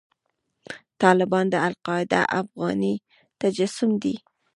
طالبان د القاعده افغاني تجسم دی.